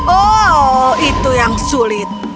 oh itu yang sulit